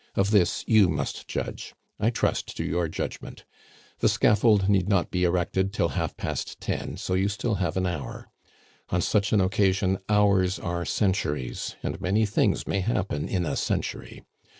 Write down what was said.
Of this you must judge. I trust to your judgment. The scaffold need not be erected till half past ten, so you still have an hour. On such an occasion hours are centuries, and many things may happen in a century.